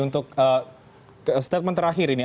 untuk statement terakhir ini